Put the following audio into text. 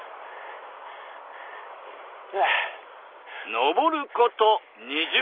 上ること２０分。